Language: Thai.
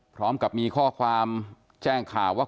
พร้อมกับมีข้อความแจ้งข่าวว่า